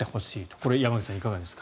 これ山口さん、いかがですか。